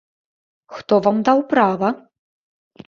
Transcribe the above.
Хто вам даў права?